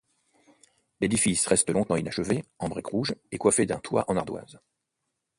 L’édifice reste longtemps inachevé, en briques rouges et coiffé d’un toit en ardoise.